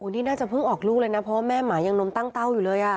นี่น่าจะเพิ่งออกลูกเลยนะเพราะว่าแม่หมายังนมตั้งเต้าอยู่เลย